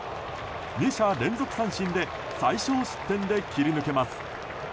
２者連続三振で最少失点で切り抜けます。